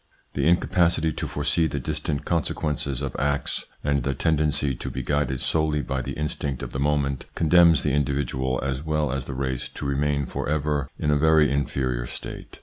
The incapacity to foresee the distant consequences of acts and the tendency to be guided solely by the / instinct of the moment condemns the individual as well as the race to remain for ever in a very inferior state.